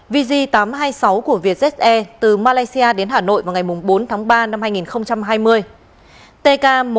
vz tám trăm hai mươi sáu của vietjet air từ malaysia đến hà nội vào ngày bốn tháng ba năm hai nghìn hai mươi